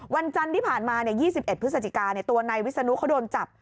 วันจันทร์ที่ผ่านมา๒๑พฤศจิกาตัวนายวิศนุเขาโดนจับ